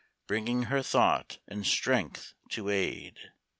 Bringing her thought and strength to aid.